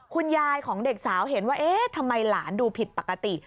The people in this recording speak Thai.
คุณยายของเด็กสาวเห็นว่าเอ๊ะทำไมหลานดูผิดปกติ